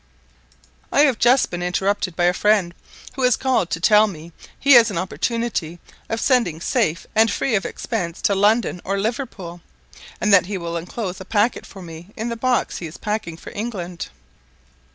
I have just been interrupted by a friend, who has called to tell me he has an opportunity of sending safe and free of expense to London or Liverpool, and that he will enclose a packet for me in the box he is packing for England.